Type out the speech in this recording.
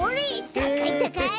たかいたかい！